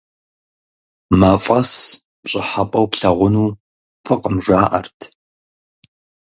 МафӀэс пщӀыхьэпӀэу плъагъуну фӀыкъым, жаӀэрт.